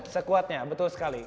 sekuatnya betul sekali